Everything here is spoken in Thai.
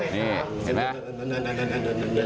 นี่เห็นไหมฮะ